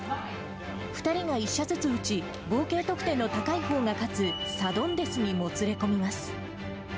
２人が１射ずつ打ち、合計得点の高いほうが勝つ、サドンデスにもつれ込みます。